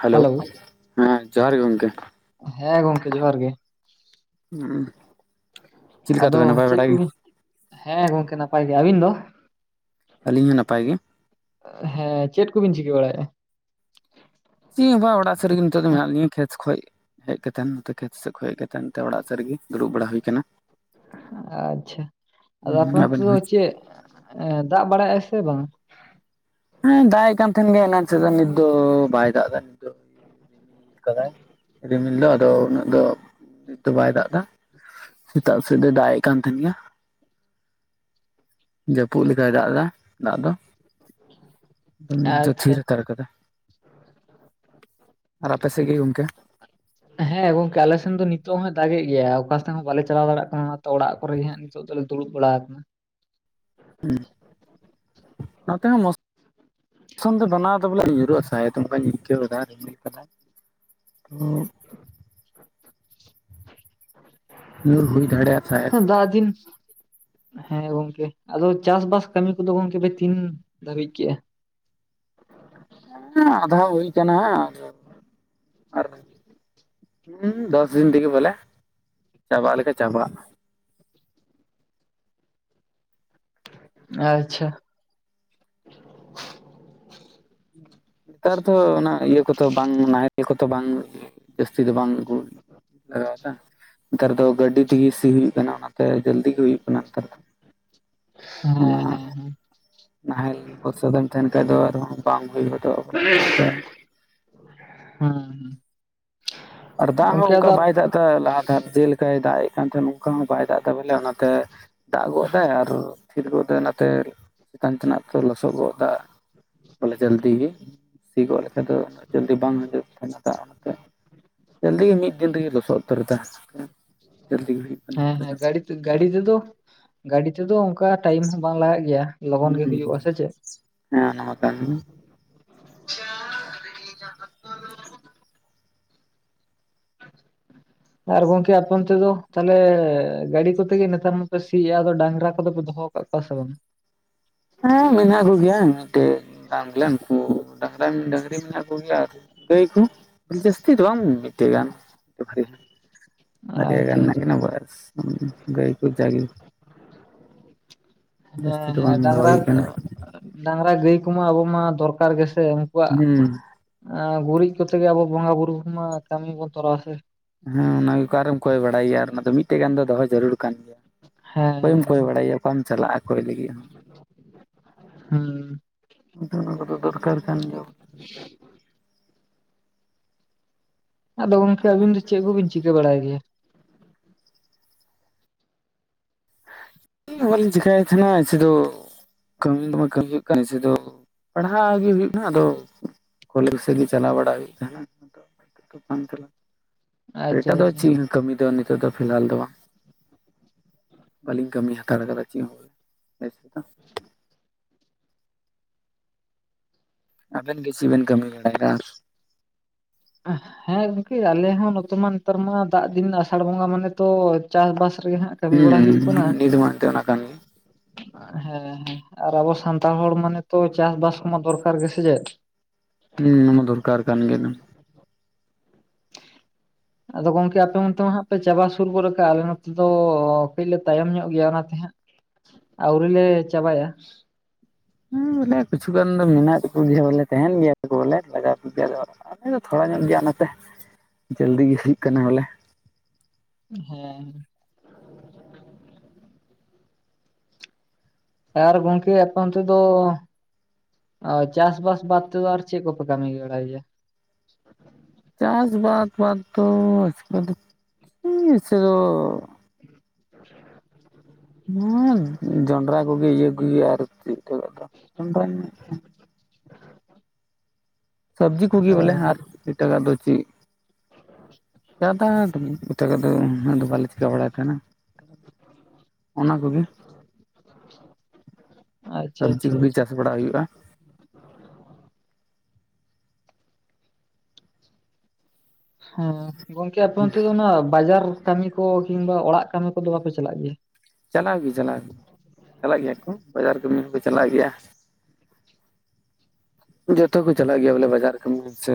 Hello ᱦᱮᱸ ᱡᱚᱦᱟᱨ ᱜᱮ ᱜᱚᱝᱠᱮ ᱾ ᱦᱮᱸ ᱜᱚᱝᱠᱮ ᱡᱚᱦᱟᱨ ᱜᱮ᱾ ᱪᱮᱫ ᱞᱮᱠᱟ ᱟᱫᱚ ᱛᱚᱵᱮ ᱱᱟᱯᱟᱭ ᱪᱮᱫ ᱵᱟᱲᱟ ᱜᱮ ᱠᱚᱵᱤᱱ ᱦᱮᱸ ᱜᱚᱝᱠᱮ ᱱᱟᱯᱟᱭ ᱜᱮ ᱟᱹᱵᱤᱱ ᱫᱚ? ᱟᱹᱞᱤᱧ ᱦᱚᱸ ᱱᱟᱯᱟᱭ ᱜᱮ᱾ ᱦᱮᱸ ᱪᱮᱫ ᱠᱚᱵᱤᱱ ᱪᱤᱠᱟᱹ ᱵᱟᱲᱟᱭᱮᱜ-ᱟ? ᱪᱤ ᱦᱚᱸ ᱵᱟᱝ ᱚᱲᱟᱜ ᱥᱮᱫ ᱨᱮᱜᱮ ᱱᱤᱛᱚᱜ ᱫᱚ ᱢᱮᱱᱟᱜ ᱞᱤᱧᱟ ᱠᱷᱮᱛ ᱠᱷᱚᱡ ᱦᱮᱡ ᱠᱟᱛᱮ ᱱᱚᱛᱮ ᱠᱷᱮᱛ ᱥᱮᱫ ᱠᱷᱚᱡ ᱦᱮᱡ ᱠᱟᱛᱮᱱ ᱱᱚᱛᱮ ᱚᱲᱟᱜ ᱥᱮᱫ ᱨᱮᱜᱮ ᱫᱩᱲᱩᱵᱽ ᱵᱟᱲᱟ ᱦᱩᱭ ᱟᱠᱟᱱᱟ᱾ ᱟᱪᱪᱷᱟ, ᱟᱫᱚ ᱟᱯᱮ ᱚᱱᱛᱮ ᱟᱵᱮᱱ ᱫᱚ ᱜᱮ ᱪᱮᱫ ᱫᱟᱜ ᱵᱟᱲᱟᱭᱮᱜ-ᱟᱭ ᱥᱮ ᱵᱟᱝ? ᱦᱮᱸ ᱫᱟᱜ ᱮᱫ ᱠᱟᱱ ᱛᱟᱦᱮᱸᱱ ᱜᱮ ᱮᱱᱟᱝ ᱥᱮᱛᱟᱜ ᱱᱤᱛ ᱫᱚ ᱵᱟᱭ ᱫᱟᱜ ᱮᱫᱟ ᱱᱤᱛᱚᱜ ᱫᱚ ᱠᱟᱫᱟᱭ ᱨᱤᱢᱤᱞ ᱫᱚ ᱟᱫᱚ ᱩᱱᱟᱹᱜ ᱫᱚ ᱱᱤᱛ ᱫᱚ ᱵᱟᱭ ᱫᱟᱜ ᱮᱫᱟ᱾ ᱥᱮᱛᱟᱜ ᱥᱮᱜ ᱫᱚᱭ ᱫᱟᱜ ᱮᱜ ᱠᱟᱱ ᱛᱟᱦᱮᱸᱱ ᱜᱮᱭᱟ᱾ ᱡᱟᱹᱯᱩᱫ ᱞᱮᱠᱟᱭ ᱫᱟᱜ ᱮᱫᱟ, ᱫᱟᱜ ᱫᱚ᱾ ᱱᱤᱛ ᱫᱚ ᱟᱪᱪᱷᱟ ᱛᱷᱤᱨ ᱦᱟᱛᱟᱲ ᱠᱟᱫᱟ, ᱟᱨ ᱟᱯᱮ ᱥᱮᱫ ᱜᱮ ᱜᱚᱢᱠᱮ? ᱟᱪᱪᱷᱟ, ᱦᱮᱸ ᱜᱚᱝᱠᱮ ᱟᱞᱮ ᱥᱮᱱ ᱫᱚ ᱱᱤᱛᱚᱜ ᱦᱚᱸ ᱫᱟᱜᱮᱜ ᱜᱮᱭᱟ, ᱚᱠᱟ ᱥᱮᱫ ᱦᱚᱸ ᱵᱟᱞᱮ ᱪᱟᱞᱟᱣ ᱫᱟᱲᱮᱭᱟᱜ ᱠᱟᱱᱟ ᱚᱱᱟᱛᱮ ᱚᱲᱟᱜ ᱠᱚᱨᱮᱜᱮ ᱦᱟᱸᱜ ᱱᱤᱛᱚᱜ ᱫᱚᱞᱮ ᱫᱩᱲᱩᱵᱽ ᱵᱟᱲᱟ ᱟᱠᱟᱱᱟ᱾ ᱦᱩᱸ ᱚᱱᱟᱛᱮ ᱦᱚᱸ ᱢᱚᱡᱽ ᱥᱚᱱ ᱫᱚ ᱵᱮᱱᱟᱣ ᱫᱚ ᱵᱚᱞᱮ ᱧᱩᱨᱟᱹᱜ-ᱟ ᱥᱟᱭᱮᱫ ᱚᱝᱠᱟᱧ ᱟᱹᱭᱠᱟᱹᱣ ᱫᱟ᱾ ᱦᱚᱸ ᱦᱩᱭ ᱫᱟᱲᱮᱭᱟᱜ ᱛᱟᱦᱮᱸᱫ ᱦᱮᱸ ᱫᱟᱜ ᱫᱤᱱ ᱦᱮᱸ ᱜᱚᱝᱠᱮ ᱟᱫᱚ ᱪᱟᱥᱵᱟᱥ ᱠᱟᱹᱢᱤ ᱠᱚᱫᱚ ᱜᱚᱝᱠᱮ ᱯᱮ ᱛᱤᱱ ᱫᱷᱟᱹᱵᱤᱡ ᱠᱮᱫ-ᱟ? ᱦᱮᱸ ᱟᱫᱷᱟ ᱦᱩᱭ ᱠᱟᱱᱟ ᱟᱨ ᱦᱩᱸ ᱫᱚᱥ ᱫᱤᱱ ᱛᱮᱜᱮ ᱵᱚᱞᱮ ᱪᱟᱵᱟᱜ ᱞᱮᱠᱟ ᱪᱟᱵᱟᱜᱼᱟ᱾ ᱟᱪᱪᱷᱟ᱾ ᱱᱮᱛᱟᱨ ᱫᱷᱚ ᱚᱱᱟ ᱤᱭᱟᱹ ᱠᱚᱛᱚ ᱵᱟᱝ ᱱᱟᱦᱮᱞ ᱠᱚᱛᱚ ᱵᱟᱝ ᱡᱟᱹᱥᱛᱤ ᱫᱚ ᱵᱟᱝ ᱟᱹᱜᱩ ᱞᱟᱜᱟᱣᱫᱟ᱾ ᱱᱮᱛᱟᱨ ᱫᱚ ᱜᱟᱹᱰᱤ ᱛᱮ ᱥᱤ ᱦᱩᱭᱩᱜ ᱠᱟᱱᱟ, ᱚᱱᱟᱛᱮ ᱡᱟᱞᱫᱤ ᱜᱮ ᱦᱩᱭᱩᱜ ᱠᱟᱱᱟ ᱱᱮᱛᱟᱨ ᱫᱚ᱾ ᱦᱮᱸ ᱚᱱᱟ ᱦᱮᱸ ᱦᱮᱸ ᱱᱟᱦᱮᱞ ᱵᱚᱨᱥᱟ ᱫᱚᱧ ᱛᱟᱦᱮᱱ ᱠᱷᱟᱡ ᱫᱚ ᱟᱫᱷᱚᱸ ᱵᱟᱝ ᱦᱩᱭ ᱜᱚᱫᱚᱜᱼᱟ ᱵᱚᱞᱮ ᱚᱱᱟᱛᱮ ᱦᱮᱸ ᱦᱩᱸ᱾ ᱟᱨ ᱫᱟᱜ ᱦᱚᱸ ᱚᱱᱠᱟ ᱵᱟᱭ ᱫᱟᱜ ᱛᱮ ᱞᱟᱦᱟ ᱫᱷᱟᱨ ᱡᱮ ᱞᱮᱠᱟᱭ ᱫᱟᱜ-ᱮᱫ ᱠᱟᱱ ᱛᱟᱦᱮᱱ ᱚᱝᱠᱟ ᱦᱚᱸ ᱵᱟᱭ ᱫᱟᱜᱫᱟ ᱵᱚᱞᱮ ᱚᱱᱟᱛᱮ ᱫᱟᱜ ᱜᱚᱫ ᱫᱟᱭ ᱟᱨ ᱛᱷᱤᱨ ᱜᱚᱫ ᱫᱟᱭ ᱱᱟᱛᱮ ᱪᱮᱛᱟᱱ ᱛᱮᱱᱟᱜ ᱛᱚ ᱞᱚᱥᱚ ᱜᱚᱜ ᱫᱟ᱾ ᱵᱚᱞᱮ ᱡᱚᱞᱫᱤ ᱜᱮ᱾ ᱥᱤ ᱜᱚᱜ ᱞᱮᱠᱷᱟᱡ ᱫᱚ ᱩᱱᱟᱹᱜ ᱡᱚᱞᱫᱤ ᱵᱟᱝ ᱦᱤᱡᱩᱜ ᱠᱟᱱᱟ ᱫᱟᱜ ᱚᱱᱟᱛᱮ᱾ ᱡᱟᱞᱫᱤ ᱜᱮ ᱢᱤᱫ ᱫᱤᱱ ᱛᱮᱜᱮ ᱞᱚᱥᱚᱫ ᱩᱛᱟᱹᱨᱮᱫᱟ᱾ ᱦᱮᱸ ᱦᱮᱸ ᱜᱟᱹᱲᱤᱛ ᱛᱟᱹᱜ ᱜᱟᱲᱤ ᱛᱮᱫᱚ, ᱜᱟᱰᱤ ᱛᱮᱫᱚ ᱚᱱᱠᱟ ᱴᱟᱭᱤᱢ ᱦᱚᱸ ᱵᱟᱝ ᱞᱟᱜᱟᱜ ᱜᱮᱭᱟ, ᱞᱚᱜᱚᱱ ᱜᱮ ᱦᱩᱸ ᱦᱩᱭᱩᱜᱼᱟ ᱥᱮ ᱪᱮᱫ? ᱦᱮᱸ ᱚᱱᱟᱦᱚᱸ ᱢᱟ ᱠᱟᱱ᱾ ᱟᱨ ᱜᱚᱝᱠᱮ ᱟᱯᱮ ᱚᱱᱛᱮᱫᱚ ᱛᱟᱦᱚᱞᱮ ᱜᱟᱸᱲᱤ ᱠᱚᱛᱮᱜᱮ ᱱᱮᱛᱟᱨ ᱢᱟᱯᱮ ᱥᱤᱭᱮᱜ-ᱟ ᱟᱫᱚ ᱰᱟᱝᱨᱟ ᱠᱚᱫᱚ ᱯᱮ ᱫᱚᱦᱚ ᱠᱟᱜ ᱠᱚᱣᱟ ᱥᱮ ᱵᱟᱝ? ᱦᱮᱸ ᱢᱮᱱᱟᱜ ᱠᱚᱜᱮᱭᱟ ᱢᱤᱫᱴᱮᱡ ᱫᱟᱢ ᱜᱮᱞᱮ ᱱᱠᱩ ᱰᱟᱝᱨᱟ ᱰᱟᱝᱨᱤ ᱢᱮᱱᱟᱜ ᱠᱚᱜᱮᱭᱟ ᱟᱨ ᱜᱟᱹᱭ ᱠᱚ ᱡᱟᱹᱥᱛᱤ ᱫᱚ ᱵᱟᱝ ᱢᱤᱫᱴᱮᱱ ᱜᱟᱱ [unintelligible] ᱵᱟᱨᱭᱟ ᱜᱟᱱ ᱟᱪᱪᱷᱟ ᱢᱮᱱᱟᱜ ᱟᱪᱪᱷᱟ ᱠᱤᱱᱟ ᱵᱟᱥ ᱦᱩᱸ ᱜᱟᱹᱭ ᱠᱚ ᱡᱟ ᱜᱮ᱾ ᱡᱟᱹᱥᱛᱤ ᱦᱮᱸ ᱫᱚ ᱦᱮᱸ ᱵᱟᱝ ᱫᱚᱦᱚ ᱰᱟᱝᱨᱟ ᱦᱩᱭ ᱠᱟᱱᱟ᱾ ᱰᱟᱝᱨᱟ ᱜᱟᱹᱭ ᱠᱚᱢᱟ ᱟᱵᱟᱢᱟ ᱫᱚᱨᱠᱟᱨ ᱜᱮ ᱥᱮ ᱩᱱᱠᱩᱣᱟᱜ ᱦᱩᱸ ᱦᱮᱸ ᱟ ᱜᱩᱨᱤᱡ ᱠᱚᱛᱮ ᱜᱮ ᱟᱵᱚ ᱵᱚᱸᱜᱟ ᱵᱩᱨᱩ ᱢᱟ ᱠᱟᱹᱢᱤ ᱵᱚᱱ ᱛᱚᱨᱟᱣᱟ ᱥᱮ᱾ ᱦᱮᱸ ᱚᱱᱟ ᱜᱮ ᱚᱠᱟᱮᱢ ᱠᱚᱭ ᱵᱟᱲᱟᱭᱮᱭᱲ ᱟᱨ ᱚᱱᱟ ᱢᱤᱫᱴᱮᱡ ᱜᱟᱱ ᱫᱚᱦᱚ ᱡᱟᱹᱨᱩᱲ ᱠᱟᱱ ᱜᱮᱭᱟ᱾ ᱚᱠᱚᱭᱮᱢ ᱦᱮᱸ ᱠᱚᱭ ᱵᱟᱲᱟᱭᱭᱟ, ᱚᱠᱟᱢ ᱪᱟᱞᱟᱜᱼᱟ ᱠᱚᱭ ᱞᱟᱹᱜᱤᱫ ᱦᱚᱸ᱾ ᱦᱩᱸ᱾ [unintelligible] ᱚᱱᱟ ᱠᱚᱫᱚ ᱫᱚᱨᱠᱟᱨ ᱠᱟᱱ ᱜᱮᱭᱟ᱾ ᱟᱫᱚ ᱜᱚᱝᱠᱮ ᱟᱵᱤᱱ ᱫᱚ ᱪᱮᱫ ᱠᱚᱵᱤᱱ ᱪᱤᱠᱟᱹ ᱵᱟᱲᱟᱭ ᱜᱮᱭᱟ? ᱪᱮᱫ ᱦᱚᱸ ᱵᱟᱞᱤᱧ ᱪᱮᱠᱟᱭ ᱛᱟᱦᱮᱱᱟ [unintelligible] ᱫᱚ ᱠᱟᱹᱢᱤ ᱫᱚ ᱵᱟᱝ ᱠᱟᱹᱢᱤ ᱦᱩᱭᱩᱜ ᱠᱟᱱᱟ ᱚᱱᱮ ᱥᱩᱫᱩ ᱯᱟᱲᱦᱟᱜ ᱜᱮ ᱦᱩᱭᱩᱜ ᱠᱟᱱᱟ ᱾ᱟᱫᱚ ᱠᱚᱞᱮᱡᱽ ᱥᱮᱫ ᱜᱮ ᱪᱟᱞᱟᱣ ᱵᱟᱲᱟ ᱦᱩᱭᱩᱜ ᱛᱟᱦᱮᱱᱟ᱾ ᱛᱚᱠᱷᱚᱱ ᱛᱮᱞᱟ᱾ ᱟᱨ ᱟᱪᱪᱷᱟ ᱮᱴᱟᱜ ᱫᱚ ᱟᱪᱪᱷᱟ ᱪᱮᱜ ᱠᱟᱹᱢᱤ ᱫᱚ ᱱᱤᱛᱚᱜ ᱫᱚ ᱯᱷᱤᱦᱟᱞ ᱫᱚ ᱵᱟᱝ᱾ ᱵᱟᱹᱞᱤᱧ ᱠᱟᱹᱢᱤ ᱦᱟᱛᱟᱲ ᱟᱠᱟᱫᱟ ᱪᱮᱫ ᱦᱚᱸ ᱵᱚᱞᱮ ᱵᱮᱥᱤ ᱫᱚ᱾ ᱟᱵᱮᱱ ᱜᱮ ᱪᱮᱜ ᱵᱤᱱ ᱠᱟᱹᱢᱤ ᱵᱟᱲᱟᱭᱫᱟ ᱟᱨ? [inaudible] ᱦᱮᱸ ᱜᱚᱝᱠᱮ ᱟᱞᱮ ᱦᱚᱸ ᱱᱚᱛᱮ ᱢᱟ, ᱱᱮᱛᱟᱨ ᱢᱟ ᱫᱟᱜ ᱫᱤᱱ ᱟᱥᱟᱲ ᱵᱚᱸᱜᱟ ᱢᱟᱱᱮ ᱛᱚ ᱪᱟᱥ ᱵᱟᱥ ᱨᱮᱜᱮ ᱦᱟᱜ ᱦᱩᱸ ᱱᱤᱛ ᱱᱤᱜ ᱢᱟ ᱮᱱᱛᱮ ᱚᱱᱟ ᱠᱟᱱ ᱜᱮ᱾ ᱦᱮᱸ ᱦᱮᱸ ᱟᱨ ᱟᱵᱚ ᱥᱟᱱᱛᱟᱲ ᱦᱚᱲ ᱢᱟᱱᱮ ᱛᱚ ᱪᱟᱥᱵᱟᱥ ᱠᱚᱢᱟ ᱫᱚᱨᱠᱟᱨ ᱜᱮ, ᱥᱮ ᱪᱮᱫ? ᱦᱩᱸ ᱚᱱᱟ ᱫᱚᱨᱠᱟᱨ ᱠᱟᱱ ᱜᱮ ᱮᱠᱫᱚᱢ᱾ ᱟᱫᱚ ᱜᱚᱝᱠᱮ ᱟᱯᱮ ᱚᱱᱛᱮ ᱢᱟ ᱦᱟᱸᱜ ᱯᱮ ᱪᱟᱵᱟ ᱥᱩᱨ ᱜᱚᱫ ᱟᱠᱟᱜᱼᱟ ᱟᱞᱮ ᱱᱚᱛᱮ ᱫᱚ ᱠᱟᱹᱡ ᱞᱮ ᱛᱟᱭᱚᱢ ᱧᱚᱜ ᱜᱮᱭᱟ ᱚᱱᱟᱛᱮ ᱦᱟᱸᱜ ᱟᱣᱨᱤᱞᱮ ᱪᱟᱵᱟᱭᱟ᱾᱾ ᱦᱮ ᱵᱚᱞᱮ ᱠᱤᱪᱷᱩ ᱜᱟᱱ ᱫᱚ ᱢᱮᱱᱟᱜ ᱠᱟᱠᱚ ᱜᱮᱭᱟ ᱵᱚᱞᱮ ᱛᱟᱦᱮᱱ ᱜᱮᱭᱟ ᱠᱚ ᱵᱚᱞᱮ ᱞᱟᱜᱟᱣ [unintelligible] ᱟᱞᱮ ᱫᱚ ᱛᱷᱚᱲᱟ ᱧᱚᱜ ᱜᱮᱭᱟ ᱱᱚᱛᱮ᱾ ᱡᱟᱞᱫᱤ ᱜᱮ ᱦᱩᱭᱩᱜ ᱠᱟᱱᱟ ᱵᱚᱞᱮ ᱦᱮ᱾ ᱟᱨ ᱜᱚᱢᱠᱮ ᱟᱯᱮ ᱚᱱᱛᱮ ᱫᱚ ᱟᱨ ᱪᱟᱥ ᱵᱟᱥ ᱵᱟᱫ ᱛᱮᱫᱚ ᱟᱨ ᱪᱮᱫ ᱠᱚᱯᱮ ᱠᱟᱹᱢᱤ ᱵᱟᱲᱟᱭ ᱜᱮᱭᱟ? [inaudible] ᱪᱟᱥ ᱵᱟᱫ ᱵᱟᱫᱽ ᱫᱚ [unintelligible] [inaudible] ᱦᱮ ᱡᱚᱱᱰᱨᱟ ᱠᱚᱜᱮ ᱤᱭᱟᱹ ᱟᱨᱠᱤ [unintelligible] [inaudible] ᱥᱟᱵᱽᱡᱤ ᱠᱚᱜᱮ ᱚ ᱵᱚᱞᱮ ᱟᱨ ᱮᱴᱟᱜᱟᱜ ᱫᱚ ᱪᱤᱫ ᱡᱟᱫᱟ ᱮᱴᱟᱜᱟᱜ ᱫᱚ ᱩᱱᱟᱹᱜ ᱫᱚ ᱵᱟᱞᱮ ᱪᱤᱠᱟᱹ ᱵᱟᱲᱟᱭ ᱛᱟᱦᱮᱱᱟ ᱚᱱᱟ ᱠᱚᱜᱮ, [inaudible] ᱟᱪᱪᱷᱟ ᱥᱟᱵᱽᱡᱤ ᱟᱪᱪᱷᱟ ᱠᱚᱜᱤ ᱟᱪᱪᱷᱟ ᱪᱟᱥ ᱵᱟᱲᱟ ᱦᱩᱭᱩᱜᱼᱟ, ᱦᱮ ᱜᱚᱝᱠᱮ ᱟᱯᱮ ᱚᱱᱛᱮ ᱫᱚ ᱱᱟ ᱵᱟᱡᱟᱨ ᱠᱟᱹᱢᱤ ᱠᱚ ᱠᱤᱝᱵᱟ ᱚᱲᱟᱜ ᱠᱟᱹᱢᱤ ᱠᱚᱫᱚ ᱵᱟᱯᱮ ᱪᱟᱞᱟᱜ ᱜᱮᱭᱟ? ᱪᱟᱞᱟᱣ ᱜᱮ ᱪᱟᱞᱟᱣ ᱜᱮ ᱪᱟᱞᱟᱜ ᱜᱮᱭᱟ ᱠᱚ ᱵᱟᱡᱟᱨ ᱠᱟᱹᱢᱤ ᱦᱚᱠᱚ ᱪᱟᱞᱟᱜ ᱜᱮᱭᱟ᱾ ᱡᱚᱛᱚ ᱠᱚ ᱪᱟᱞᱟᱜ ᱜᱮᱭᱟ ᱵᱚᱞᱮ ᱵᱟᱡᱟᱨ ᱠᱟᱹᱢᱤ ᱥᱮ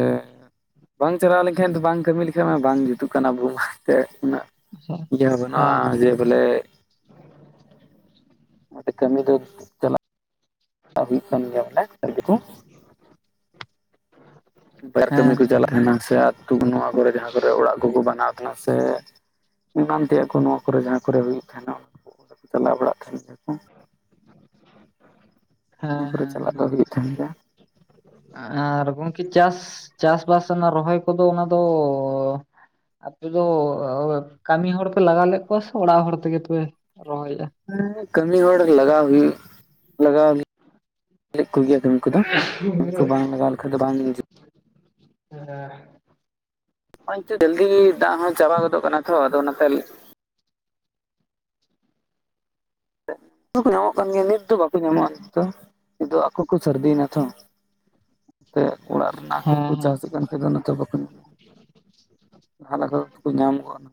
ᱵᱟᱝ ᱪᱟᱞᱟᱣ ᱞᱮᱱᱠᱷᱟᱱ ᱫᱚ ᱵᱟᱝ ᱠᱟᱹᱢᱤ ᱞᱮᱠᱷᱟᱡ ᱢᱟ ᱵᱟᱝ ᱡᱩᱛᱩᱜ ᱠᱟᱱᱟ ᱟᱵᱚᱣᱟᱜ ᱛᱮᱜ ᱩᱱᱟᱹᱜ, ᱦᱮᱸ ᱤᱭᱟᱹ ᱦᱚ ᱦᱮᱸ ᱵᱟᱹᱱᱩᱜᱼᱟ ᱡᱮ ᱵᱚᱞᱮ ᱠᱟᱹᱢᱤ ᱫᱚ ᱪᱟᱞᱟᱜ ᱦᱩᱭᱩᱜ ᱠᱟᱱ ᱜᱮᱭᱟ ᱵᱚᱞᱮ ᱠᱟᱢᱤ ᱠᱚ, ᱵᱟᱭᱟᱨ ᱠᱟᱹᱢᱤ ᱦᱮᱸ ᱠᱚ ᱪᱟᱞᱟᱜ ᱦᱮᱸ ᱠᱟᱱᱟ ᱥᱮ ᱟᱹᱛᱩ ᱱᱚᱣᱟ ᱠᱚᱨᱮ ᱡᱟᱦᱟ ᱠᱚᱨᱮ ᱚᱲᱟᱜ ᱠᱚᱠᱚ ᱵᱟᱱᱟᱣ ᱛᱟᱦᱮᱱᱟ ᱥᱮ ᱮᱢᱟᱱ ᱛᱮᱭᱟᱜ ᱠᱚ ᱱᱚᱣᱟ ᱠᱚᱨᱮ ᱡᱟᱦᱟ ᱠᱚᱨᱮ ᱦᱩᱭᱩᱜ ᱛᱟᱦᱮᱱᱟ ᱚᱱᱟ ᱠᱚ ᱪᱟᱞᱟᱣ ᱵᱟᱲᱟᱜ ᱛᱟᱦᱮᱱ ᱜᱮᱭᱟᱠᱚ᱾ ᱦᱮ ᱚᱱᱟ ᱠᱚᱨᱮ ᱪᱟᱞᱟᱜ ᱫᱚ ᱦᱩᱭᱩᱜ ᱛᱟᱦᱮᱱ ᱜᱮᱭᱟ ᱦᱮ, ᱟᱨ ᱜᱚᱝᱠᱮ ᱪᱟᱥ ᱪᱟᱥᱵᱟᱥ ᱨᱮᱱᱟᱜ ᱨᱚᱦᱚᱭ ᱠᱚᱫᱚ ᱚᱱᱟ ᱫᱚ ᱟᱯᱮ ᱫᱚ ᱠᱟᱹᱢᱤ ᱦᱚᱲᱯᱮ ᱞᱟᱜᱟᱣ ᱞᱮᱫ ᱠᱚᱣᱟ ᱥᱮ ᱚᱲᱟᱜ ᱦᱚᱲ ᱛᱮᱜᱮ ᱯᱮ ᱨᱚᱦᱚᱭᱮᱜ-ᱟ? ᱦᱮ ᱠᱟᱹᱢᱤ ᱦᱚᱲ ᱞᱟᱜᱟᱣ ᱦᱩᱭᱩᱜ ᱞᱟᱜᱟᱣ ᱞᱮᱫ ᱠᱚᱜᱮᱭᱟ ᱞᱮ᱾ ᱱᱚᱜᱼᱚᱭ [unintelligible] ᱱᱚᱜᱚᱭ [unintelligible] ᱡᱟᱞᱫᱤ ᱜᱤ ᱫᱟᱜ ᱦᱚ ᱪᱟᱵᱟ ᱜᱚᱫᱚᱜ ᱠᱟᱱᱟ ᱛᱚ ᱟᱫᱚ ᱚᱱᱟᱛᱮ ᱫᱚᱠᱚ ᱧᱟᱢᱚᱜ ᱠᱟᱱ ᱜᱮᱭᱟᱢ, ᱱᱤᱛ ᱫᱚ ᱵᱟᱠᱚ ᱧᱟᱢᱚᱜᱼᱟ ᱱᱤᱛ ᱫᱚ ᱱᱤᱛ ᱫᱚ ᱟᱠᱚ ᱠᱚ ᱥᱟᱹᱨᱫᱤᱭᱮᱱᱟ ᱛᱷᱚ, [inaudible] ᱛᱮᱜ ᱚᱲᱟᱜ ᱨᱮᱱᱟᱜ ᱦᱟᱠᱩᱠᱚ ᱦᱮᱸ ᱦᱮᱸ ᱪᱟᱥᱮᱫ ᱠᱟᱱ ᱛᱮ ᱤᱱᱟᱹᱛᱮ ᱵᱟᱠᱚ ᱧᱟᱢᱚᱜ ᱛᱟᱦᱞᱮ ᱠᱷᱟᱡ ᱠᱚ ᱧᱟᱢ ᱠᱚᱜᱼᱟ᱾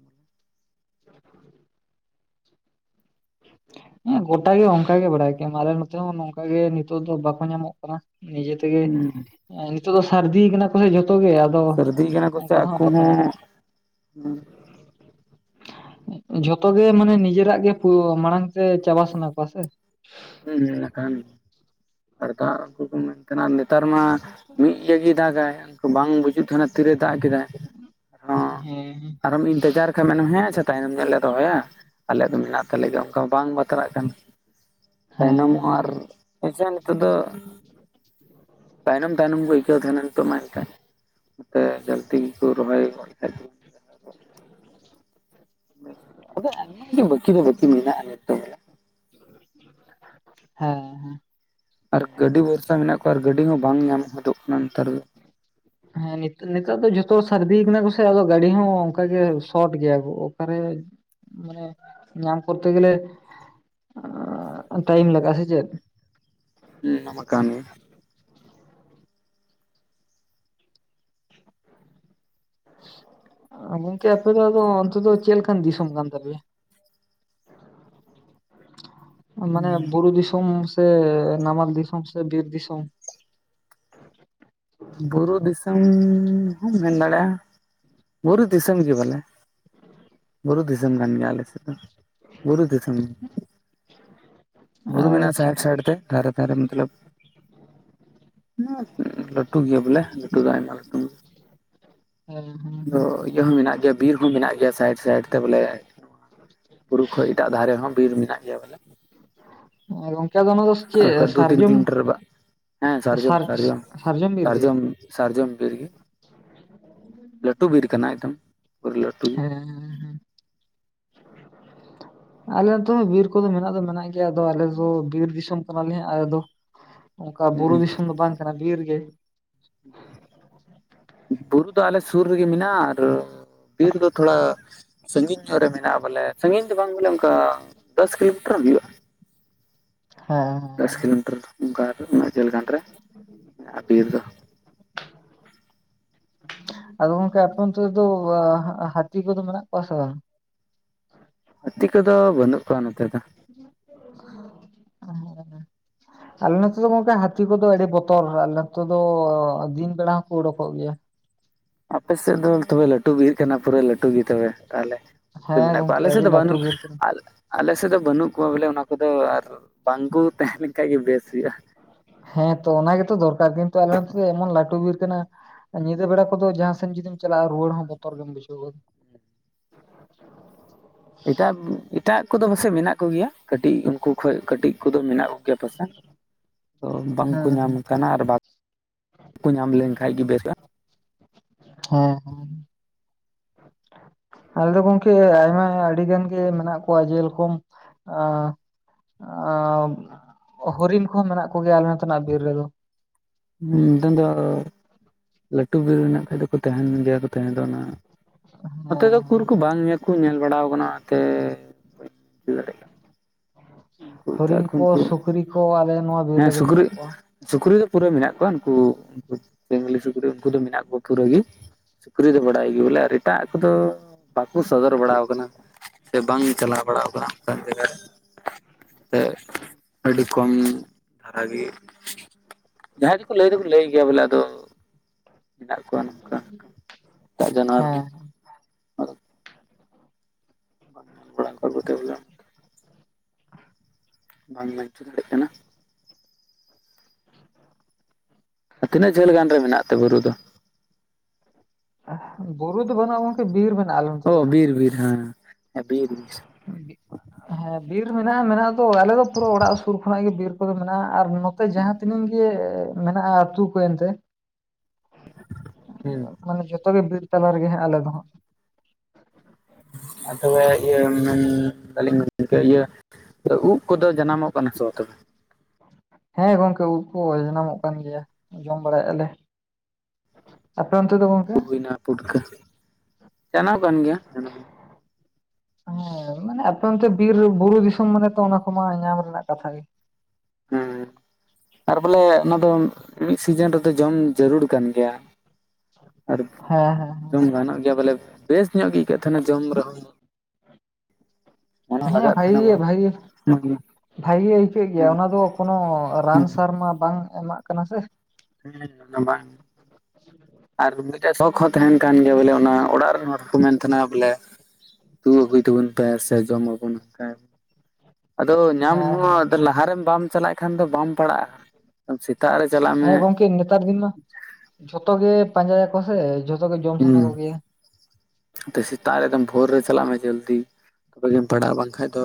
[inaudible] [inaudible] ᱦᱮ ᱜᱚᱴᱟ ᱜᱮ ᱚᱱᱠᱟ ᱜᱮ ᱵᱟᱲᱟᱭ ᱜᱮᱭᱟᱢ ᱟᱞᱮ ᱱᱚᱛᱮ ᱦᱚ ᱱᱚᱝᱠᱟ ᱜᱮ ᱱᱤᱛᱚᱜ ᱫᱚ ᱵᱟᱠᱚ ᱧᱟᱢᱚᱜ ᱠᱟᱱᱟ ᱱᱤᱡᱮ ᱜᱮ ᱦᱩᱸ ᱱᱤᱛᱚᱜ ᱫᱚ ᱥᱟᱹᱨᱫᱤ ᱠᱟᱱᱟ ᱠᱚᱥᱮ ᱡᱷᱚᱛᱚ ᱜᱮ ᱟᱫᱚ ᱥᱟᱹᱨᱫᱤ ᱠᱟᱱᱟ ᱠᱚ ᱥᱮ ᱚᱱᱠᱟ ᱫᱚ ᱦᱟᱸᱜ ᱟᱠᱚ ᱦᱚᱸ ᱵᱟᱠᱚ ᱧᱟᱢᱚᱜ ᱦᱩ, ᱡᱷᱚᱛᱚ ᱜᱮ ᱢᱟᱱᱮ ᱱᱤᱡᱮᱨᱟᱜ ᱜᱮ ᱢᱟᱲᱟᱝ ᱛᱮ ᱪᱟᱵᱟ ᱥᱟᱱᱟ ᱠᱚᱣᱟ ᱥᱮ, ᱦᱩ ᱱᱟᱠᱷᱟᱱ ᱟᱨ ᱩᱱᱠᱩ ᱠᱚ ᱢᱮᱱ ᱛᱟᱦᱮᱱᱟ ᱱᱮᱛᱟᱨ ᱢᱟ ᱢᱤᱫ ᱤᱭᱟᱹᱜᱮ ᱫᱟᱜᱟᱭ ᱵᱟᱝ ᱵᱩᱡᱩᱜ ᱛᱟᱦᱮᱱᱟ, ᱛᱤᱨᱮᱭ ᱫᱟᱜ ᱠᱮᱫᱟᱭ ᱟᱨᱦᱚ ᱦᱮᱸ ᱟᱨᱦᱚᱢ ᱤᱱᱛᱮᱡᱟᱨ ᱠᱷᱟᱱ ᱢᱮᱱᱟᱢ ᱦᱮᱥᱮᱛᱟᱜ ᱮᱱᱜᱮ ᱞᱮ ᱨᱚᱦᱚᱭᱟ, ᱟᱞᱮᱭᱟᱜ ᱫᱚ ᱢᱮᱱᱟᱜ ᱛᱟᱞᱮ ᱜᱮᱭᱟ ᱚᱝᱠᱟ ᱢᱟ ᱵᱟᱝ ᱵᱟᱛᱟᱨᱟᱜ ᱠᱟᱱᱟ ᱦᱮᱸ ᱛᱟᱭᱱᱚᱢᱚᱜᱼᱟ ᱦᱮᱸ ᱟᱨ ᱱᱤᱛᱚᱜ ᱫᱚ ᱛᱟᱭᱱᱚᱢ ᱛᱟᱭᱱᱚᱢ ᱠᱚ ᱟᱹᱭᱠᱟᱹᱣ ᱛᱟᱦᱮᱱᱟ ᱱᱤᱛᱚᱜ ᱢᱟ ᱮᱱᱠᱷᱟᱱ ᱛᱮ ᱡᱟᱞᱛᱤ ᱠᱚ ᱨᱚᱦᱚᱭ ᱜᱚᱫ ᱠᱮᱫ ᱜᱮ, ᱟᱫᱚ ᱟᱭᱢᱟ ᱜᱮ ᱵᱟᱠᱤ ᱫᱚ ᱵᱟᱠᱤ ᱢᱮᱱᱟᱜᱼᱟ ᱱᱤᱛᱚᱜ, ᱦᱮᱸ ᱦᱮᱸ᱾ ᱟᱨ ᱜᱟᱹᱰᱤ ᱵᱷᱚᱨᱥᱟ ᱢᱮᱱᱟᱜ ᱠᱚᱣᱟ, ᱟᱨ ᱜᱟᱹᱰᱤ ᱦᱚᱸ ᱵᱟᱝ ᱧᱟᱢ ᱦᱚᱫᱚᱜ ᱠᱟᱱᱟ ᱱᱮᱛᱟᱨ ᱫᱚ᱾ ᱦᱮᱸ ᱱᱤᱛᱚᱜ ᱫᱚ ᱡᱷᱚᱛᱚ ᱥᱟᱹᱨᱫᱤ ᱠᱟᱱᱟ ᱠᱚ ᱥᱮ ᱟᱫᱚ ᱜᱟᱹᱰᱤ ᱦᱚᱸ ᱚᱱᱠᱟᱜᱮ ᱥᱚᱴ ᱜᱮᱭᱟ ᱠᱚ ᱚᱠᱟᱨᱮ᱾ ᱢᱟᱱᱮ ᱧᱟᱢ ᱠᱚᱨᱛᱮ ᱜᱮᱞᱮ ᱴᱟᱭᱤᱢ ᱞᱟᱜᱟᱜᱼᱟ ᱥᱮ ᱪᱮᱫ? ᱦᱩᱸ ᱚᱱᱟ ᱢᱟ ᱠᱟᱱᱜᱮ᱾ ᱜᱚᱝᱠᱮ ᱟᱯᱮ ᱫᱚ ᱟᱫᱚ ᱚᱱᱛᱮ ᱫᱚ ᱪᱮᱫ ᱞᱮᱠᱟᱱ ᱫᱤᱥᱚᱢ ᱠᱟᱱ ᱛᱟᱯᱮᱭᱟ? [inaudible] ᱢᱟᱱᱮ ᱵᱩᱨᱩ ᱫᱤᱥᱚᱢ ᱥᱮ ᱱᱟᱢᱟᱞ ᱫᱤᱥᱚᱢ ᱥᱮ ᱵᱤᱨ ᱫᱤᱥᱚᱢ? ᱵᱩᱨᱩ ᱫᱤᱥᱚᱢ ᱦᱚᱢ ᱢᱮᱱ ᱫᱟᱲᱮᱼᱟ᱾ ᱵᱩᱨᱩ ᱫᱤᱥᱚᱢ ᱜᱮ ᱵᱚᱞᱮ᱾ ᱵᱩᱨᱩ ᱫᱤᱥᱚᱢ ᱠᱟᱱ ᱜᱮᱭᱟ ᱟᱞᱮ ᱥᱮᱫ ᱫᱚ᱾ ᱵᱩᱨᱩ ᱫᱤᱥᱚᱢ ᱵᱩᱨᱩ ᱢᱮᱱᱟᱜᱼᱟ, ᱟᱪᱪᱷᱟ ᱥᱟᱭᱤᱴ ᱥᱟᱭᱤᱴ ᱛᱮ ᱫᱷᱟᱨᱮ ᱫᱷᱟᱨᱮ ᱢᱚᱛᱞᱚᱵ᱾ ᱞᱟᱹᱴᱩ ᱜᱮᱭᱟ ᱵᱚᱞᱮ ᱞᱟᱹᱴᱩ ᱫᱚ ᱟᱭᱢᱟ ᱞᱟᱹᱴᱩ ᱜᱮᱭᱟ᱾ ᱦᱮᱸ ᱦᱮᱸ᱾ ᱟᱫᱚ ᱤᱭᱟᱹ ᱦᱚᱸ ᱢᱮᱱᱟᱜ ᱜᱮᱭᱟ᱾ ᱵᱤᱨ ᱦᱚᱸ ᱢᱮᱱᱟᱜ ᱜᱮᱭᱟ ᱥᱟᱭᱤᱰ ᱥᱟᱭᱤᱰ ᱛᱮ ᱵᱚᱞᱮ᱾ ᱵᱩᱨᱩ ᱠᱷᱚᱡ ᱮᱴᱟᱜ ᱫᱷᱟᱨᱮ ᱦᱚᱸ ᱵᱤᱨ ᱢᱮᱱᱟᱜ ᱜᱮᱭᱟ ᱵᱚᱞᱮ᱾ ᱦᱮᱸ ᱜᱚᱝᱠᱮ ᱟᱫᱚ ᱚᱱᱟ ᱫᱚ ᱪᱮᱫ ᱟᱞᱮ ᱠᱷᱚᱡ ᱫᱩ ᱛᱤᱱ ᱥᱟᱨᱡᱚᱢ ᱠᱤᱞᱳᱢᱤᱴᱟᱨ ᱨᱮᱵ ᱦᱮᱸ ᱥᱟᱨᱡᱚᱢ ᱥᱟᱨ ᱫᱟᱨᱮ ᱦᱚᱸ ᱵᱤᱨ ᱜᱮ ᱥᱟᱨᱡᱚᱢ ᱥᱟᱨᱡᱚᱢ ᱵᱤᱨ ᱜᱮ, ᱞᱟᱹᱴᱩ ᱵᱤᱨ ᱠᱟᱱᱟ ᱮᱠᱫᱚᱢ, ᱯᱩᱨᱟᱹ ᱞᱟᱹᱴᱩ ᱜᱮ᱾ ᱦᱮᱸ [inaudible] ᱟᱞᱮ ᱫᱚ ᱵᱤᱨ ᱠᱚᱫᱚ ᱢᱮᱱᱟᱜ ᱫᱚ ᱢᱮᱱᱟᱜ ᱜᱮᱭᱟ, ᱟᱫᱚ ᱟᱞᱮ ᱫᱚ ᱵᱤᱨ ᱫᱤᱥᱚᱢ ᱠᱟᱱᱟᱞᱮ ᱦᱟᱸᱜ ᱟᱞᱮ ᱫᱚ ᱚᱱᱠᱟ ᱵᱩᱨᱩ ᱦᱩᱸ ᱫᱤᱥᱚᱢ ᱫᱚ ᱵᱟᱝ ᱠᱟᱱᱟ ᱵᱤᱨ ᱜᱮ᱾ ᱵᱩᱨᱩ ᱫᱚ ᱟᱞᱮ ᱥᱩᱨ ᱨᱮᱜᱮ ᱢᱮᱱᱟᱜᱼᱟ, ᱟᱨ ᱵᱤᱨ ᱫᱚ ᱛᱷᱚᱲᱟ ᱥᱟᱺᱜᱤᱧ ᱧᱚᱜ ᱨᱮ ᱢᱮᱱᱟᱜᱼᱟ, ᱵᱚᱞᱮ ᱥᱟᱺᱜᱤᱧ ᱫᱚ ᱵᱟᱝ ᱵᱚᱞᱮ ᱚᱱᱠᱟ ᱫᱚᱥ ᱠᱤᱞᱳᱢᱤᱴᱟᱨ ᱦᱩᱭᱩᱜᱼᱟ᱾ ᱦᱮᱸ᱾ ᱫᱚᱥ ᱦᱮᱸ ᱠᱤᱞᱳᱢᱤᱴᱟᱨ ᱚᱱᱠᱟ ᱩᱱᱟᱹᱜ ᱡᱷᱟᱹᱞ ᱜᱟᱱ ᱨᱮ ᱵᱤᱨ ᱫᱚ᱾ ᱟᱫᱚ ᱜᱚᱝᱠᱮ ᱟᱯᱮ ᱚᱱᱛᱮ ᱫᱚ ᱦᱟᱹᱛᱤ ᱠᱚᱫᱚ ᱢᱮᱱᱟᱜ ᱠᱚᱣᱟ ᱥᱮ ᱵᱟᱝ? ᱦᱟᱹᱛᱤ ᱠᱚᱫᱚ ᱵᱟᱹᱱᱩᱜ ᱠᱚᱣᱟ ᱱᱚᱛᱮ ᱫᱚ᱾ [unintelligible] ᱟᱞᱮ ᱱᱚᱛᱮ ᱫᱚ ᱜᱚᱝᱠᱮ ᱦᱟᱹᱛᱤ ᱠᱚᱫᱚ ᱟᱹᱰᱤ ᱵᱚᱛᱚᱨ᱾ ᱟᱞᱮ ᱱᱚᱛᱮ ᱫᱚ ᱫᱤᱱ ᱵᱮᱲᱟ ᱦᱚᱸᱠᱚ ᱩᱰᱩᱠᱚᱜ ᱜᱮᱭᱟ᱾ ᱟᱯᱮᱥᱮᱫ ᱫᱚ ᱛᱚᱵᱮ ᱞᱟᱹᱴᱩ ᱵᱤᱨ ᱠᱟᱱᱟ ᱯᱩᱨᱟᱹ ᱞᱟᱹᱴᱩ ᱜᱮ ᱛᱚᱵᱮ ᱛᱟᱦᱚᱞᱮ, ᱩᱱᱠᱩ ᱫᱚ ᱦᱮᱸ ᱢᱮᱱᱟᱜ ᱠᱚᱣᱟ᱾ ᱜᱚᱝᱠᱮ ᱟᱞᱮ ᱥᱮᱫ ᱟᱹᱰᱤ ᱫᱚ ᱞᱟᱹᱴᱩ ᱵᱟᱹᱱᱩᱜ ᱵᱤᱨ ᱠᱟᱱᱟ ᱟᱞᱮ ᱟᱞᱮ ᱥᱮᱫ ᱫᱚ ᱵᱟᱹᱱᱩᱜ ᱠᱚᱣᱟ ᱵᱚᱞᱮ ᱚᱱᱟ ᱠᱚᱫᱚ ᱟᱨ ᱵᱟᱝ ᱠᱚ ᱛᱟᱦᱮᱸ ᱞᱮᱱ ᱠᱷᱟᱡ ᱜᱮ ᱵᱮᱥ ᱦᱩᱭᱩᱜᱼᱟ᱾ ᱦᱮᱸᱛᱚ ᱚᱱᱟ ᱜᱮᱛᱚ ᱫᱚᱨᱠᱟᱨ, ᱠᱤᱱᱛᱩ ᱟᱞᱮ ᱱᱚᱛᱮ ᱫᱚ ᱮᱢᱚᱱ ᱞᱟᱹᱴᱩ ᱵᱤᱨ ᱠᱟᱱᱟ ᱧᱤᱫᱟᱹ ᱵᱮᱲᱟ ᱠᱚᱫᱚ ᱡᱟᱦᱟᱸ ᱥᱮᱱ ᱡᱩᱫᱤᱢ ᱪᱟᱞᱟᱜᱼᱟ᱾ ᱨᱩᱣᱟᱹᱲ ᱦᱚᱸ ᱵᱚᱛᱚᱨ ᱜᱮᱢ ᱵᱩᱡᱷᱟᱹᱣ ᱜᱚᱫᱟ᱾ ᱮᱴᱟᱜ ᱮᱴᱟᱜ ᱠᱚᱫᱚ ᱯᱟᱥᱮᱜ ᱢᱮᱱᱟᱜ ᱠᱚᱜᱮᱭᱟ, ᱠᱟᱹᱴᱤᱡ ᱩᱱᱠᱩ ᱠᱷᱚᱡ ᱠᱟᱹᱴᱤᱡ ᱩᱱᱠᱩ ᱫᱚ ᱢᱮᱱᱟᱜ ᱠᱚᱜᱮᱭᱟ ᱯᱟᱥᱮᱫ, ᱛᱚ ᱵᱟᱝᱠᱚ ᱦᱮᱸ ᱧᱟᱢ ᱦᱮᱸ ᱠᱟᱱᱟ ᱠᱟᱱᱟ, ᱟᱨ ᱵᱟ ᱠᱚ ᱧᱟᱢ ᱞᱮᱱᱠᱟᱡ ᱜᱮ ᱵᱮᱥᱚᱜᱼᱟ᱾ ᱦᱮᱸ ᱦᱮᱸ᱾ ᱟᱞᱮ ᱫᱚ ᱜᱚᱝᱠᱮ ᱟᱭᱢᱟ ᱟᱰᱤᱜᱟᱱ ᱜᱮ ᱢᱮᱱᱟᱜ ᱠᱚᱣᱟ, ᱡᱮᱨᱚᱠᱚᱢ ᱮᱸ ᱦᱚᱨᱤᱱ ᱠᱚᱦᱚᱸ ᱢᱮᱱᱟᱜ ᱠᱚᱜᱮᱭᱟ ᱟᱞᱮ ᱱᱚᱛᱮᱱᱟᱜ ᱵᱤᱨ ᱨᱮᱫᱚ᱾ ᱦᱮᱸ ᱱᱤᱛᱚᱝ ᱫᱚ ᱞᱟᱹᱴᱩ ᱵᱤᱨ ᱢᱮᱱᱟᱜ ᱠᱷᱟᱡ ᱫᱚᱠᱚ ᱛᱟᱦᱮᱱ ᱜᱮᱭᱟ ᱠᱚ ᱛᱟᱦᱮᱸ ᱫᱚ ᱚᱱᱟ᱾ ᱱᱚᱛᱮ ᱫᱚ ᱠᱩᱨ ᱦᱮᱸ ᱠᱚ ᱵᱟᱝ ᱠᱩ ᱧᱮᱞ ᱵᱟᱲᱟᱣ ᱠᱟᱱᱟ᱾ ᱱᱚᱛᱮ ᱵᱟᱹᱧ ᱫᱟᱲᱮᱜ ᱠᱟᱱᱟ᱾ ᱩᱱᱠᱩ ᱮᱴᱟᱜ ᱦᱚᱨᱤᱱ ᱠᱷᱚᱱ ᱠᱚ ᱩᱱᱠᱩ ᱥᱩᱠᱨᱤ ᱠᱚ ᱟᱞᱮ ᱱᱚᱣᱟ ᱵᱤᱨ ᱦᱮᱸ ᱨᱮᱫᱚ ᱥᱩᱠᱨᱤ ᱢᱮᱱᱟᱜ ᱠᱚᱣᱟ ᱥᱩᱠᱨᱤ ᱯᱩᱨᱟᱹ ᱢᱮᱱᱟᱜ ᱠᱚᱣᱟ ᱩᱱᱠᱩ ᱡᱟᱝᱞᱤ ᱥᱩᱠᱨᱤ, ᱩᱱᱠᱩ ᱫᱚ ᱢᱮᱱᱟᱜ ᱠᱚᱣᱟ ᱯᱩᱨᱟᱹ ᱜᱤ᱾ ᱥᱩᱠᱨᱤ ᱫᱚ ᱵᱟᱲᱟᱭ ᱜᱮ ᱵᱚᱞᱮ ᱟᱨ ᱮᱴᱟᱜ ᱠᱚᱫᱚ ᱵᱟᱠᱚ ᱥᱚᱫᱚᱨ ᱵᱟᱲᱟᱣ ᱠᱟᱱᱟ᱾ ᱥᱮ ᱵᱟᱝ ᱪᱟᱞᱟᱣ ᱵᱟᱲᱟ ᱟᱠᱟᱱᱟ ᱚᱱᱠᱟᱱ ᱡᱟᱭᱜᱟ ᱨᱮ᱾ ᱥᱮ ᱟᱹᱰᱤ ᱠᱚᱢ ᱫᱷᱟᱨᱟ ᱜᱤ᱾ ᱡᱟᱦᱟᱸᱭ ᱫᱚᱠᱚ ᱞᱟᱹᱭ ᱫᱚᱠᱚ ᱞᱟᱹᱭ ᱜᱮᱭᱟ ᱵᱚᱞᱮ ᱟᱫᱚ ᱢᱮᱱᱟᱜ ᱠᱚᱣᱟ ᱱᱚᱝᱠᱟ [inaudible] ᱮᱴᱟᱜ ᱡᱟᱱᱣᱟᱨ ᱦᱚᱸ᱾ ᱦᱮᱸ ᱟᱫᱚ [unintelligible] ᱵᱟᱢ ᱵᱟᱧᱪᱟ ᱫᱟᱲᱮᱭᱟᱜ ᱠᱟᱱᱟ᱾ ᱟᱨ ᱛᱤᱱᱟᱹᱜ ᱡᱷᱟᱹᱞ ᱜᱟᱱ ᱨᱮ ᱢᱮᱱᱟᱜ ᱛᱮ ᱵᱩᱨᱩ ᱫᱚ? ᱵᱩᱨᱩ ᱫᱚ ᱵᱟᱹᱱᱟᱜ-ᱟ ᱜᱚᱢᱠᱮ ᱵᱤᱨ ᱢᱮ ᱚ ᱵᱤᱨ ᱵᱤᱨ ᱦᱮᱸ ᱵᱤᱨ ᱦᱮᱸ ᱵᱤᱨ ᱢᱮᱱᱟᱜ-ᱟ ᱢᱮᱱᱟᱜ ᱫᱚ ᱟᱞᱮ ᱫᱚ ᱯᱩᱨᱟᱹ ᱚᱲᱟᱜ ᱥᱩᱨ ᱠᱷᱚᱱᱟᱜ ᱜᱮ ᱵᱤᱨ ᱠᱚᱫᱚ ᱢᱮᱱᱟᱜ-ᱟ ᱟᱨ ᱱᱚᱛ ᱮ ᱡᱟᱦᱟᱸ ᱛᱤᱱᱟᱹᱜ ᱜᱮ ᱢᱮᱱᱟᱜ-ᱟ ᱟᱹᱛᱩ ᱠᱚ ᱮᱱᱛᱮ [inaudible] ᱦᱮᱸ ᱾ ᱢᱟᱱᱮ ᱡᱚᱛᱚ ᱜᱮ ᱵᱤᱨ ᱛᱟᱞᱟ ᱨᱮᱜᱮ ᱟᱞᱮ ᱫᱚ ᱦᱟᱸᱜ᱾ ᱟᱨ ᱛᱚᱵᱮ ᱤᱭᱟᱹ ᱢᱮᱱ ᱮᱫᱟᱞᱤᱧ ᱜᱚᱢᱠᱮ ᱤᱭᱟᱹ ᱩᱫ ᱠᱚᱫᱚ ᱡᱟᱱᱟᱢᱚᱜ ᱠᱟᱱᱟ ᱥᱮ ᱛᱚᱵᱮ? ᱦᱮᱸ ᱜᱚᱝᱠᱮ ᱩᱵ ᱠᱚ ᱡᱟᱱᱟᱢᱚᱜ ᱠᱟᱱ ᱜᱮᱭᱟ ᱡᱚᱢ ᱵᱟᱲᱟᱭᱮᱫ ᱟᱞᱮ᱾ ᱟᱯᱮ ᱚᱱᱛᱮ ᱫᱚ ᱜᱚᱝᱠᱮ? ᱩᱫ ᱦᱩᱭᱱᱟ ᱯᱩᱴᱠᱟᱹ [inaudible] ᱡᱟᱱᱟᱢᱚᱜ ᱠᱟᱱ ᱜᱮᱭᱟ᱾ ᱦᱮᱸ ᱢᱟᱱᱮ ᱟᱯᱮ ᱚᱱᱛᱮ ᱵᱤᱨ ᱵᱩᱨᱩ ᱫᱤᱥᱚᱢ ᱢᱟᱱᱮ ᱛᱚ ᱚᱱᱟ ᱠᱚᱢᱟ ᱧᱟᱢ ᱨᱮᱱᱟᱜ ᱠᱟᱛᱷᱟ ᱜᱮ᱾ ᱦᱮᱸ᱾ [unintelligible] ᱟᱨ ᱵᱚᱞᱮ ᱚᱱᱟ ᱫᱚ ᱢᱤᱫ ᱥᱤᱡᱤᱱ ᱨᱮᱫᱚ ᱡᱚᱢ ᱡᱟᱹᱨᱩᱲ ᱠᱟᱱ ᱜᱮᱭᱟ᱾ ᱟᱨ ᱦᱮᱸ ᱦᱮᱸ [inaudible] ᱡᱚᱢ ᱜᱟᱱᱚᱜ ᱜᱮᱭᱟ ᱵᱚᱞᱮ ᱵᱮᱥ ᱧᱚᱜ ᱜᱮ ᱟᱹᱭᱠᱟᱹᱜ ᱛᱟᱦᱮᱱᱟ ᱡᱚᱢ ᱨᱮᱦᱚᱸ᱾ ᱢᱚᱱᱮ ᱦᱮᱸ ᱞᱟᱜᱟᱜ ᱵᱷᱟᱹᱜᱤ ᱛᱟᱦᱮᱱᱟ ᱜᱮ ᱵᱚᱱ ᱵᱷᱟᱹᱜᱤ ᱜᱮ᱾ ᱵᱷᱟᱹᱜᱤ ᱜᱮ ᱟᱹᱭᱠᱟᱹᱜ ᱜᱮᱭᱟ ᱚᱱᱟ ᱫᱚ ᱠᱚᱱᱳ ᱨᱟᱱ ᱥᱟᱨ ᱢᱟ ᱵᱟᱝ ᱮᱢᱟᱜ ᱠᱟᱱᱟ ᱥᱮ᱾ ᱦᱮᱸ ᱮᱠᱫᱚᱢ ᱵᱟᱝ ᱾ ᱟᱨ ᱢᱤᱫᱴᱮᱡ ᱥᱚᱠ ᱦᱚᱸ ᱛᱟᱦᱮᱱ ᱠᱟᱱ ᱜᱮᱭᱟ ᱵᱚᱞᱮ ᱚᱱᱟ ᱚᱲᱟᱜ ᱨᱮᱱ ᱦᱚᱲᱠᱚ ᱢᱮᱱ ᱛᱟᱦᱮᱱᱟ ᱵᱚᱞᱮ ᱫᱩ ᱟᱹᱜᱩᱭ ᱛᱟᱵᱚᱱ ᱯᱮ ᱥᱮ ᱡᱚᱢ ᱟᱵᱩᱱ ᱦᱮ ᱾ ᱟᱫᱚ ᱧᱟᱢ ᱦᱮᱸ ᱦᱚᱸ ᱦᱮᱸ ᱟᱫᱚ ᱞᱟᱦᱟᱨᱮ ᱵᱟᱢ ᱪᱟᱞᱟᱜ ᱠᱷᱟᱱ ᱫᱚ ᱵᱟᱢ ᱯᱟᱲᱟᱜ-ᱟ᱾ ᱥᱮᱛᱟᱜ ᱨᱮ ᱪᱟᱞᱟᱜ ᱢᱮ᱾ ᱦᱮᱸ ᱜᱚᱝᱠᱮ ᱱᱮᱛᱟᱨ ᱫᱤᱱ ᱢᱟ [inaudible] ᱡᱷᱚᱛᱚ ᱜᱮ ᱯᱟᱸᱡᱟᱭᱟᱠᱚ ᱥᱮ ᱡᱷᱚᱛᱚ ᱜᱮ ᱡᱚᱢ ᱥᱟᱱᱟ ᱦᱩᱸ ᱠᱚᱜᱮᱭᱟ᱾ ᱥᱮᱛᱟᱜ ᱨᱮ ᱮᱠᱫᱚᱢ ᱵᱷᱳᱨ ᱨᱮ ᱪᱟᱞᱟᱜ ᱢᱮ ᱡᱚᱞᱫᱤ᱾ ᱛᱚᱵᱮ ᱜᱮᱢ ᱯᱟᱲᱟᱜ-ᱟ ᱵᱟᱝᱠᱷᱟᱱ ᱫᱚ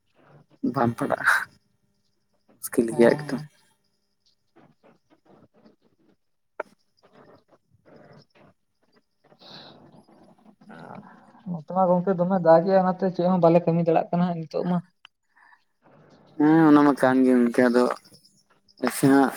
[inaudible] ᱵᱟᱢ ᱯᱟᱲᱟᱜ-ᱟ᱾ [inaudible] ᱦᱮᱸ ᱦᱮᱸ᱾ [inaudible] [inaudible] [inaudible] ᱱᱚᱛᱮ ᱢᱟ ᱜᱚᱝᱠᱮ ᱫᱚᱢᱮ ᱫᱟᱜ ᱮᱫᱟᱭ ᱚᱱᱟᱛᱮ ᱪᱮᱫ ᱦᱚᱸ ᱵᱟᱞᱮ ᱠᱟᱹᱢᱤ ᱫᱟᱲᱮᱭᱟᱜ ᱱᱤᱛᱚᱜ ᱢᱟ᱾ ᱦᱮᱸ ᱚᱱᱟ ᱢᱟ ᱠᱟᱱ ᱜᱮ ᱮᱱᱠᱟ ᱫᱚ [inaudible] ᱱᱟᱥᱮ ᱱᱟᱜ